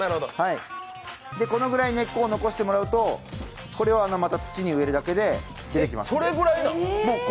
このぐらい根っこを残してもらうとこれをまた土に植えるだけで出てきます。